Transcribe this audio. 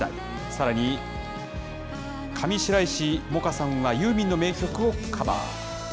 さらに、上白石萌歌さんはユーミンの名曲をカバー。